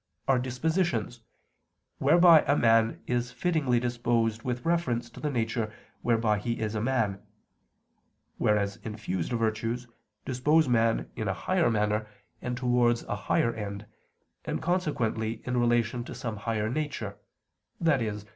are dispositions, whereby a man is fittingly disposed with reference to the nature whereby he is a man; whereas infused virtues dispose man in a higher manner and towards a higher end, and consequently in relation to some higher nature, i.e.